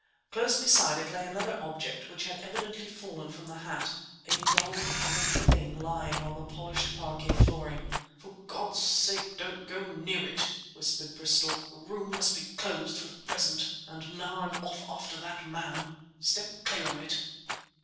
Close beside it lay another object which had evidently fallen from the hat—a dull red thing lying on the polished parquet flooring. "For God's sake don't go near it!" whispered Bristol. "The room must be closed for the present. And now I'm off after that man. Step clear of it."